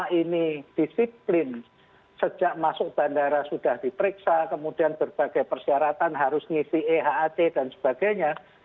karena ini disiplin sejak masuk bandara sudah diperiksa kemudian berbagai persyaratan harus ngisi ehat dan sebagainya